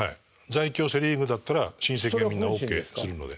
在京セ・リーグだったら親戚がみんなＯＫするので。